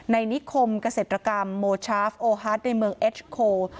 นิคมเกษตรกรรมโมชาฟโอฮาร์ดในเมืองเอสโค